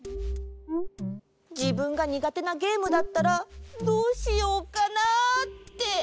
じぶんがにがてなゲームだったらどうしようかなって。